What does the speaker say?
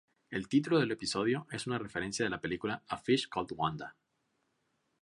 El título del episodio es una referencia de la película "A Fish Called Wanda".